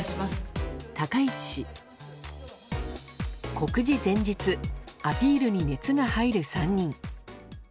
告示前日アピールに熱が入る３人。